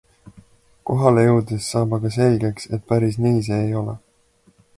Kohale jõudes saab aga selgeks, et päris nii see ei ole.